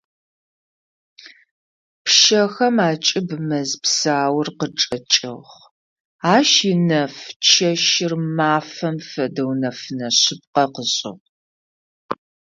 Пщэхэм акӏыб мэз псаур къычӏэкӏыгъ, ащ инэф чэщыр мафэм фэдэу нэфынэ шъыпкъэ къышӏыгъ.